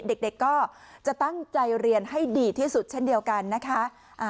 เด็กก็จะตั้งใจเรียนให้ดีที่สุดเช่นเดียวกันนะคะ